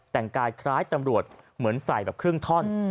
แต่งกายคล้ายตำรวจเหมือนใส่แบบครึ่งท่อน